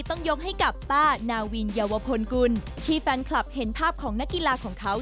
ต้องยกให้กับต้านาวินเยาวพลกุลที่แฟนคลับเห็นภาพของนักกีฬาของเขา